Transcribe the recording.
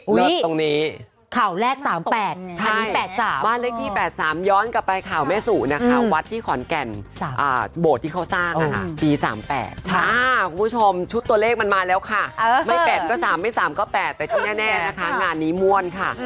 ตรงนี้ข่าวแรก๓๘๓บ้านเลขที่๘๓ย้อนกลับไปข่าวแม่สุนะคะวัดที่ขอนแก่นโบสถ์ที่เขาสร้างปี๓๘คุณผู้ชมชุดตัวเลขมันมาแล้วค่ะไม่๘ก็๓ไม่๓ก็๘แต่ที่แน่นะคะงานนี้ม่วนค่ะ